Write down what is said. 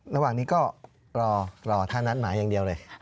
ระหว่างนี้ก็รอถ้านัดหมายอย่างเดียวเลย